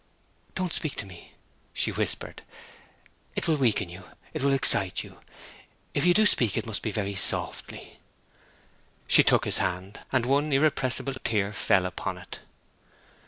'Don't speak to me!' she whispered. 'It will weaken you; it will excite you. If you do speak, it must be very softly.' She took his hand, and one irrepressible tear fell upon it.